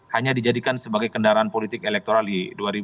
hanya dijadikan sebagai kendaraan politik elektoral di dua ribu dua puluh